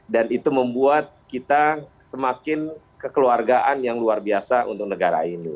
dan itu membuat kita semakin kekeluargaan yang luar biasa untuk negara ini